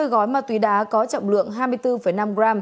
hai mươi gói ma túy đá có trọng lượng hai mươi bốn năm g